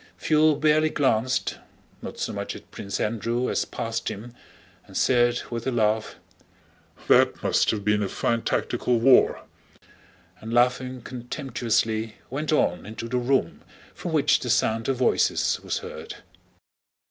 Pfuel barely glanced—not so much at Prince Andrew as past him—and said, with a laugh: "That must have been a fine tactical war"; and, laughing contemptuously, went on into the room from which the sound of voices was heard.